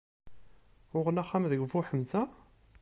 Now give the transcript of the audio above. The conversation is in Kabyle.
Uɣen axxam deg Buḥemza?